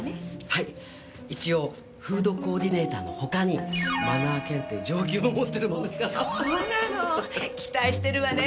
はい一応フードコーディネーターのほかにマナー検定上級も持ってるもんですからそうなの期待してるわね